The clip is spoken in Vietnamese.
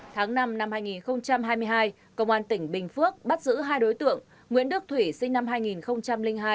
tháng năm năm hai nghìn hai mươi hai công an tỉnh bình phước bắt giữ hai đối tượng nguyễn đức thủy sinh năm hai nghìn hai